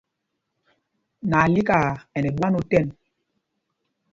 Nalíkaa ɛ nɛ ɓwán otɛn.